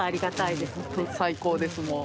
最高ですもう。